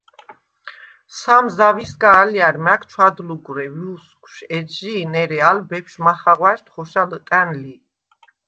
სამ ზავისგა ალჲა̈რ მა̈გ ჩვადლუგვრე ვუსგვშ ეჩჟი̄ნ, ერე ალ ბეფშვ მახაღვა̈ჟდ ხოშა ლჷტა̈ნ ლი.